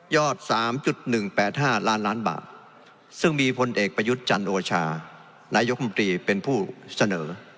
ยอดสามจุดหนึ่งแปดห้าล้านล้านบาทซึ่งมีพลเอกประยุทธจันโอชานายกรมตรีเป็นผู้เสนอ